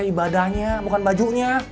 ibadahnya bukan bajunya